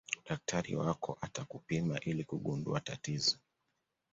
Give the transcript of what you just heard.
daktari wako atakupima ili kugundua tatizo